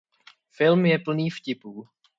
Film je plný vtipů.